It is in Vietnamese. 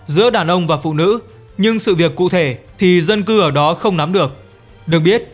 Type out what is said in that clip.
giữa đàn ông và phụ nữ nhưng sự việc cụ thể thì dân cư ở đó không nắm được được biết